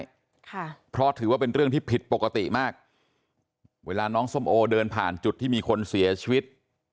ค่ะเพราะถือว่าเป็นเรื่องที่ผิดปกติมากเวลาน้องส้มโอเดินผ่านจุดที่มีคนเสียชีวิต